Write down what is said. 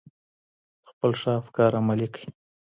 خپل ښه افکار عملي کړئ.